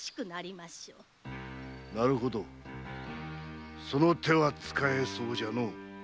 なるほどその手は使えそうじゃのう。